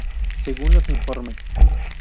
Según los informes.